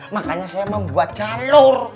makanya saya membuat jalur